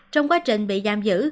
trong quá trình bị giam giữ